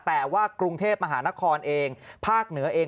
แต่ว่ากรุงเทพมหานครเองภาคเหนือเอง